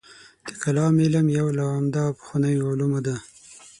د کلام علم یو له عمده او پخوانیو علومو دی.